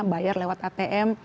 bayar lewat atm